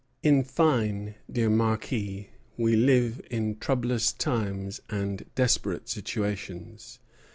In fine, dear Marquis, we live in troublous times and desperate situations.